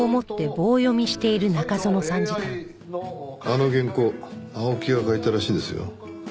あの原稿青木が書いたらしいですよ。